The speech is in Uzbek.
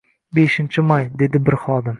— Beshinchi may, — dedi bir xodim.